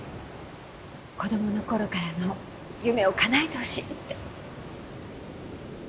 子供のころからの夢をかなえてほしいって。